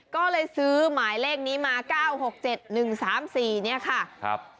ก็เลยซื้อหมายเลขนี้มา๙๖๗๑๓๔เนี่ยค่ะครับ